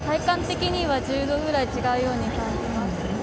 体感的には１０度ぐらい違うように感じます。